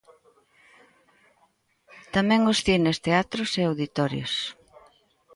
Tamén os cines, teatros e auditorios.